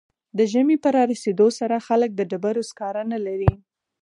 د ژمي په رارسیدو سره خلک د ډبرو سکاره نلري